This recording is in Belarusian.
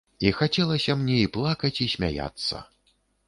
І хацелася мне і плакаць і смяяцца.